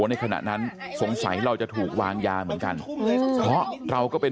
ในขณะนั้นสงสัยเราจะถูกวางยาเหมือนกันเพราะเราก็ไป